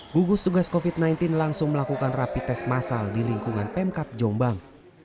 gugus tugas covid sembilan belas langsung melakukan rapi tes masal di lingkungan pemkap jombang